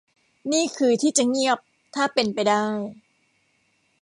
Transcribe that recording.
นี่คือที่จะเงียบถ้าเป็นไปได้